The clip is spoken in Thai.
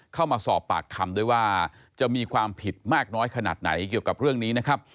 เข้ามาสอบปากคำด้วยว่าจะมีความผิดมากน้อยขนาดไหนเกี่ยวกับเรื่องนี้นะครับ